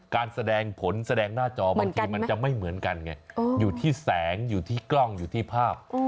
การแสดงผลแสดงหน้าจอบางทีมันจะไม่เหมือนกันไงอยู่ที่แสงอยู่ที่กล้องอยู่ที่ภาพ